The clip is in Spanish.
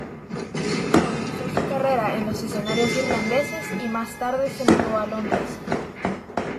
Comenzó su carrera en los escenarios irlandeses y más tarde se mudó a Londres.